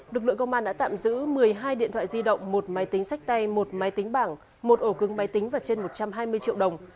lực lượng công an đã tạm giữ một mươi hai điện thoại di động một máy tính sách tay một máy tính bảng một ổ cưng máy tính và trên một trăm hai mươi triệu đồng